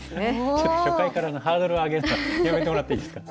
ちょっと初回からハードル上げるのはやめてもらっていいですか？